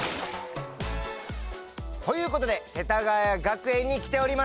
ということで世田谷学園に来ております。